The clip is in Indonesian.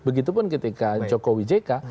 begitupun ketika jokowi jk